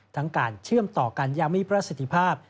ทั้งการเชื่อมต่อกันอย่างมีประสิทธิภาพ